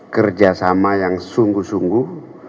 kerjasama yang sungguh sungguh